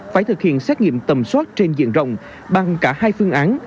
phải thực hiện xét nghiệm tầm soát trên diện rộng bằng cả hai phương án